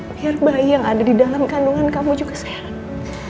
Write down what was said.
biar bayi yang ada di dalam kandungan kamu juga sehat